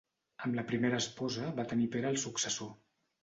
Amb la primera esposa va tenir a Pere el successor.